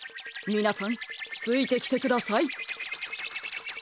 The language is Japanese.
みなさんついてきてください。